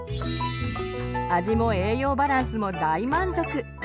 味も栄養バランスも大満足！